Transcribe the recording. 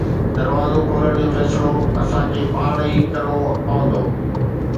دروازو کولڻ جو فيصلو اسان کي پاڻ ئي ڪرڻو پوندو.